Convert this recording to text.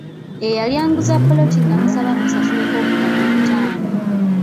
Eyali anguza ppoloti namusaba musasuleko obukadde butaano.